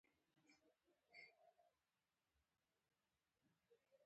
دوکتور لطیف بهاند د روسي ژبې نه ژباړن دی.